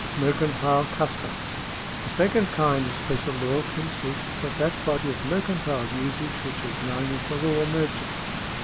Mercantile customs. — The second kind of special law consists of that body of mercantile usage which is known as the law merchant.